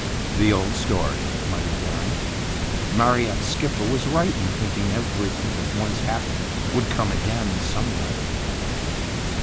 " The old story," muttered Dering. "Mar ryatt's skipper was right in thinking every thing that once happened would come again somewhere."